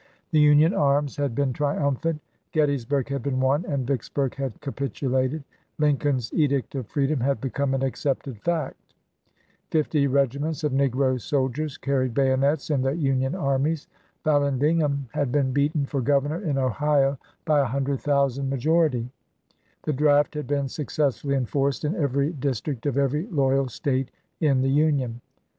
The Union arms had been triumphant — Gettysburg had been won and Yicksburg had capitulated ; Lincoln's Edict of Free dom had become an accepted fact ; fifty regiments of negro soldiers carried bayonets in the Union armies; Vallandigham had been beaten for gov ernor in Ohio by a hundred thousand majority ; the draft had been successfully enforced in every dis trict of every loyal State in the Union.